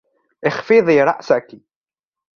اخفضي رأسك!